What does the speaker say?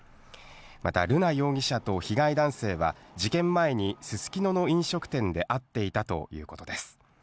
また瑠奈容疑者と被害男性は事件前にすすきのの飲食店で会っていたということです。